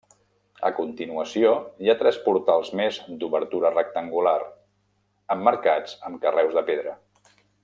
A continuació hi ha tres portals més d'obertura rectangular, emmarcats amb carreus de pedra.